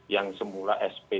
yang semula sp tiga